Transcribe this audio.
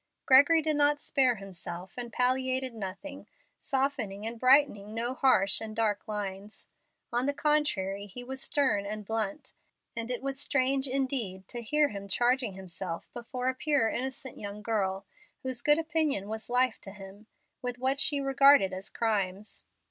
Gregory did not spare himself, and palliated nothing, softening and brightening no harsh and dark lines. On the contrary, he was stern and blunt, and it was strange indeed to hear him charging himself before a pure, innocent young girl, whose good opinion was life to him, with what she regarded as crimes.